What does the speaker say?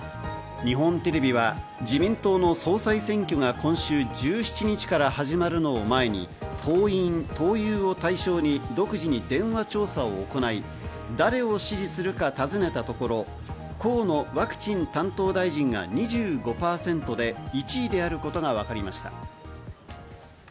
日本テレビは自民党の総裁選挙は今週１７日から始まるのを前に党員・党友を対象に独自に電話調査を行い、誰を支持するか尋ねたところ河野ワクチン担当大臣が２５％で、１位であることがわかりました。